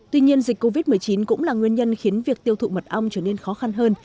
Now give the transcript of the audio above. tuy nhiên dịch covid một mươi chín cũng là nguyên nhân khiến việc tiêu thụ mật ong trở nên khó khăn hơn